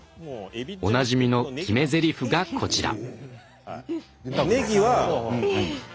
おなじみの決めぜりふがこちら！